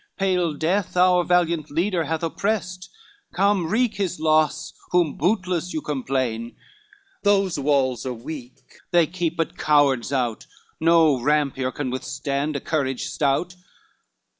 Pale death our valiant leader had opprest, Come wreak his loss, whom bootless you complain. Those walls are weak, they keep but cowards out No rampier can withstand a courage stout.